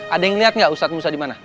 ada yang liat gak ustadz musa dimana